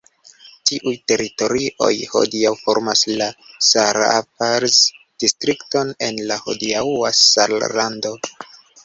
Tiuj teritorioj hodiaŭ formas la Saarpfalz-distrikton en la hodiaŭa Sarlando.